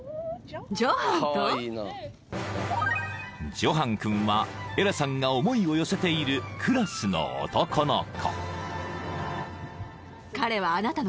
［ジョハン君はエラさんが思いを寄せているクラスの男の子］